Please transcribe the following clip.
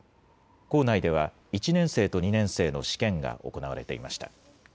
校内では、１年生と２年生の試験が行われていました。